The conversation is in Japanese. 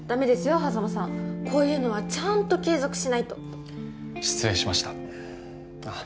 波佐間さんこういうのはちゃんと継続しないと失礼しましたあっ